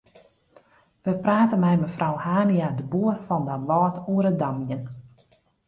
We prate mei mefrou Hania-de Boer fan Damwâld oer it damjen.